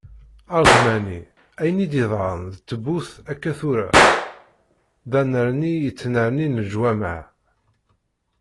Aredmani, ayen i d-yeḍḥan d ttbut akka tura, d annerni i ttnernin leǧwamaɛ.